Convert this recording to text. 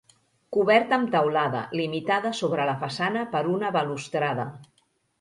Coberta amb teulada, limitada sobre la façana per una balustrada.